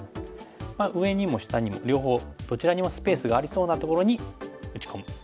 上にも下にも両方どちらにもスペースがありそうなところに打ち込む。